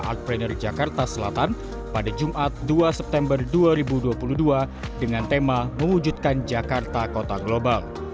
artpreneur jakarta selatan pada jumat dua september dua ribu dua puluh dua dengan tema mewujudkan jakarta kota global